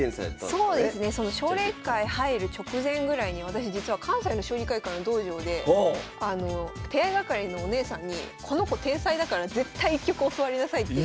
そうですねその奨励会入る直前ぐらいに私実は関西の将棋会館の道場で手合い係のお姉さんに「この子天才だから絶対１局教わりなさい」って。